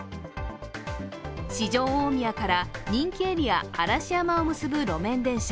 四条大宮から人気エリア、嵐山を結ぶ路面電車